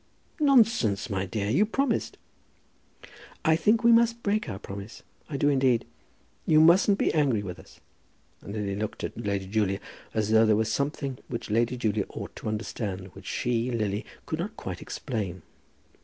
"Nonsense, my dear; you promised." "I think we must break our promise; I do indeed. You mustn't be angry with us." And Lily looked at Lady Julia, as though there were something which Lady Julia ought to understand, which she, Lily, could not quite explain.